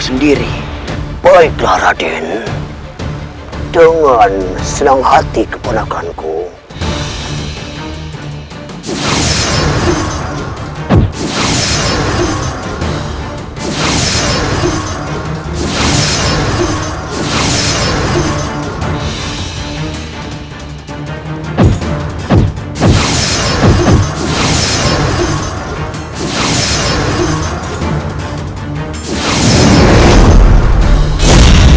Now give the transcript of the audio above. sendiri baiklah raden dengan senang hati keponakan ku